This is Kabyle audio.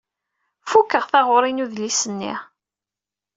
Fukkeɣ taɣuṛi n udlis-nni.